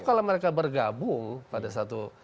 kalau mereka bergabung pada satu